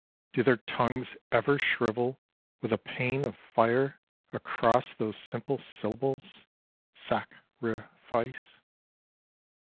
Do their tongues ever shrivel with a pain of fire Across those simple syllables " sac ri fice